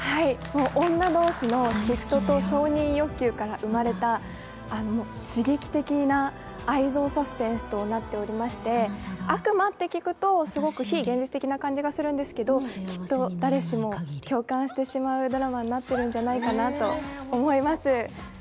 女同士の嫉妬と承認欲求から生まれた刺激的な愛憎サスペンスとなっておりまして、悪魔って聞くとすごく非現実的な感じがするんですけどきっと誰しも共感してしまうドラマになっているんじゃないかなと思います。